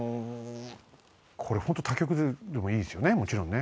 これ他局でもいいですよねもちろんね。